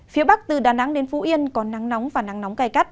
phía bắc từ đà nẵng đến phú yên có nắng nóng và nắng nóng cay cắt